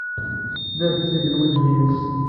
Tella tetteg lwajeb-nnes.